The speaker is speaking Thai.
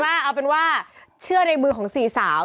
เอาเป็นว่าเชื่อในมือของสี่สาว